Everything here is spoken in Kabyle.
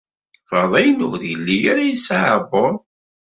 Faḍil ur yelli ara yesɛa aɛebbuḍ.